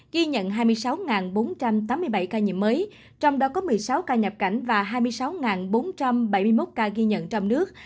ghi nhận hai mươi sáu bốn trăm tám mươi bảy ca nhiễm mới trong đó có một mươi sáu ca nhập cảnh và hai mươi sáu bốn trăm bảy mươi một ca ghi nhận trong nước